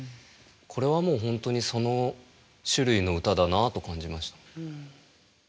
これはもう本当にその種類の歌だなと感じました。